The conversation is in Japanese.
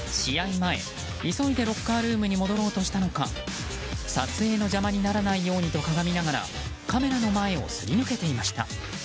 前、急いでロッカールームに戻ろうとしたのか撮影の邪魔にならないようにとかがみながらカメラの前をすり抜けていました。